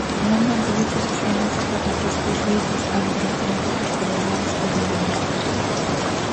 Non vampirices a súa música cos teus prexuízos androcéntricos, coloniais ou binaristas.